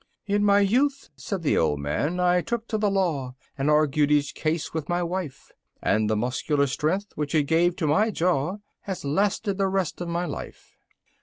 6. "In my youth," said the old man, "I took to the law, And argued each case with my wife, And the muscular strength, which it gave to my jaw, Has lasted the rest of my life."